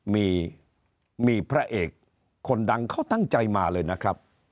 มีพระเอกคนดังเขาตั้งใจมาเลยนะครับ